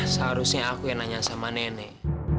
seharusnya aku yang nanya sama nenek